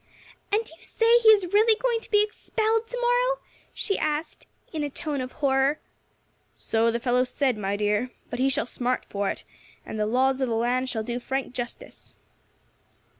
"And do you say he is really going to be expelled to morrow?" she asked, in a tone of horror. "So the fellow said, my dear; but he shall smart for it, and the laws of the land shall do Frank justice."